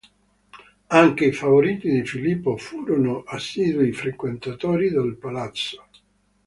Anche i favoriti di Filippo furono assidui frequentatori del palazzo.